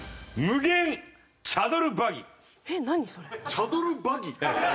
無限チャドルバギ。